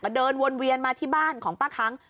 เดินวนเวียนมาที่บ้านของป้าคั้ง